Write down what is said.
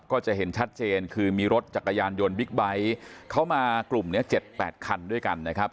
ก็จะเห็นชัดเจนคือมีรถจักรยานยนต์บิ๊กไบท์เข้ามากลุ่มนี้๗๘คันด้วยกันนะครับ